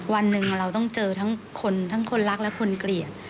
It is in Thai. วันหนึ่งเราต้องเจอทั้งคนทั้งคนรักและคนเกลียด